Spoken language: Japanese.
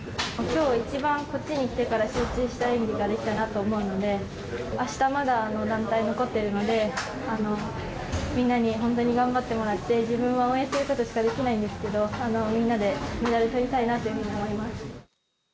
きょう一番、こっちに来てから集中した演技ができたなと思うので、あした、まだ団体残っているので、みんなに本当に頑張ってもらって、自分は応援することしかできないんですけど、みんなでメダルとりたいなというふうに思います。